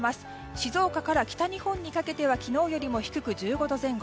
静岡から北日本にかけては昨日よりも低く１５度前後。